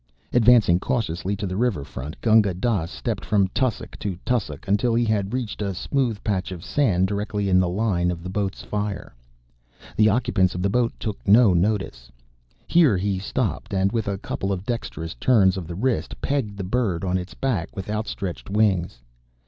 Advancing cautiously to the river front, Gunga Dass stepped from tussock to tussock until he had reached a smooth patch of sand directly in the line of the boat's fire. The occupants of the boat took no notice. Here he stopped, and, with a couple of dexterous turns of the wrist, pegged the bird on its back with outstretched wings.